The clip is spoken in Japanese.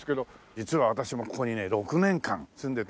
実は私もここにね６年間住んでてね